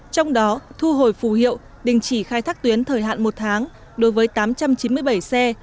trong đó thu hồi phù hiệu đình chỉ khai thác tuyến thời hạn một tháng đối với tám trăm chín mươi bảy xe